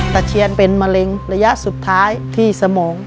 เชียนเป็นมะเร็งระยะสุดท้ายที่สมอง